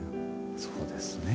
そうですね。